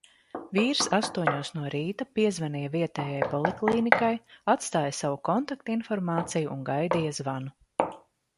Vīrs astoņos no rīta piezvanīja vietējai poliklīnikai, atstāja savu kontaktinformāciju un gaidīja zvanu.